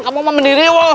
kamu mau mendiri woh